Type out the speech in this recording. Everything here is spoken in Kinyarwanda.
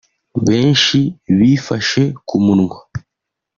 Benshi bifashe ku munwa